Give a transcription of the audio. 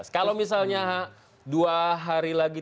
kalau misalnya dua hari lagi